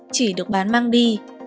chỉ được bán mang đi